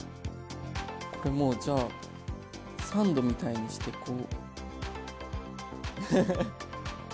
もうじゃあサンドみたいにしてこう。